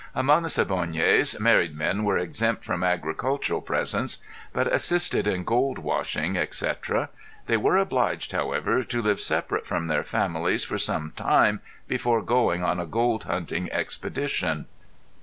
Among the Siboneyes married men were exempt from agricultural presents, but assisted in gold washing, etc. They were obliged however, to live separate from their families for some time before going on a gold hunting expedition.